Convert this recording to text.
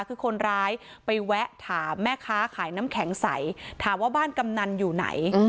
คือคนร้ายไปแวะถามแม่ค้าขายน้ำแข็งใสถามว่าบ้านกำนันอยู่ไหน